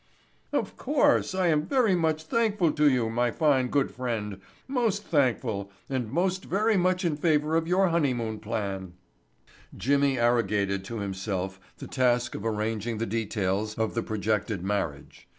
"Of course I am very much thankful to you, my fine, good friend, most thankful and most very much in favor of your honeymoon plan." Jimmy arrogated to himself the task of arranging the details of the projected marriage.